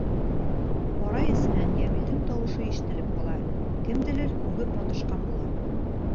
Һарай эсенән Йәмилдең тауышы ишетелеп ҡала, кемделер һүгеп маташҡан була.